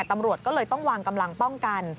ตำรวจก็เลยต้องวางกำลังป้องกัน